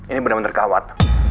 ini bener bener gawat